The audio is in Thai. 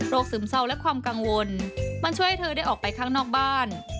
ซึมเศร้าและความกังวลมันช่วยให้เธอได้ออกไปข้างนอกบ้าน